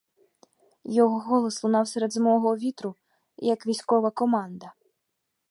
Його голос лунав серед зимового вітру, як військова команда.